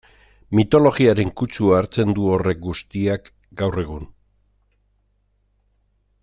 Mitologiaren kutsua hartzen du horrek guztiak gaur egun...